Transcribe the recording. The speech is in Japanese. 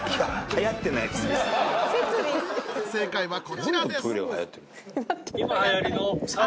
正解はこちらです